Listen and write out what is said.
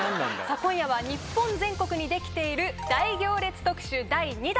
今夜は日本全国に出来ている大行列特集第２弾。